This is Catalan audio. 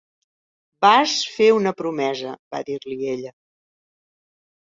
"Vas fer una promesa", va dir-li ella.